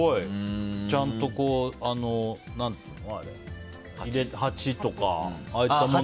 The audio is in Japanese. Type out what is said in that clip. ちゃんと、鉢とかも。